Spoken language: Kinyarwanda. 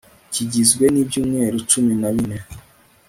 kigizwe n ibyumweru cumi na bine